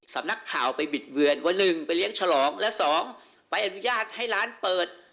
สำนักข่าวไปบิดเวือนว่า๑ไปเลี้ยงฉลองและ๒ใบอนุญาตให้ร้านเปิด